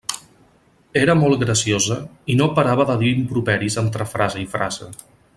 Era molt graciosa i no parava de dir improperis entre frase i frase.